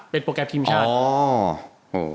เป็นโปรแกรมทีมชาติ